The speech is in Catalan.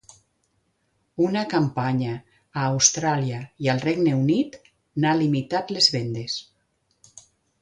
Una campanya a Austràlia i al Regne Unit n'ha limitat les vendes.